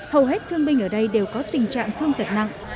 hầu hết thương binh ở đây đều có tình trạng thương tật nặng